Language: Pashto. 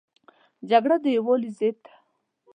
جګړه د یووالي ضد ده